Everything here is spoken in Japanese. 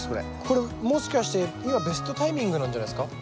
これもしかして今ベストタイミングなんじゃないですか？